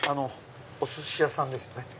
お寿司屋さんですよね？